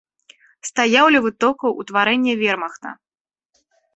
Стаяў ля вытокаў утварэння вермахта.